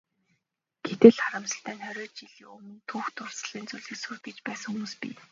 Гэтэл, харамсалтай нь хориод жилийн өмнө түүх дурсгалын зүйлийг сүйтгэж байсан хүмүүс бий.